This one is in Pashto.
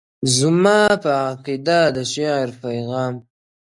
• زما په عقیده د شعر پیغام -